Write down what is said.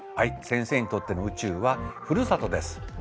先生にとっての宇宙はふるさとです。